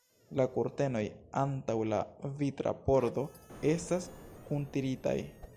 La kurtenoj antaŭ la vitra pordo estas kuntiritaj.